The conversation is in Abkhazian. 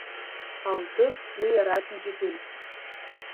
Алдыз уи иаразнак игәеиҭеит…